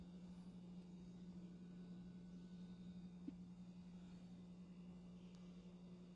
La especie fue denominada en honor del zoólogo británico Andrew Smith.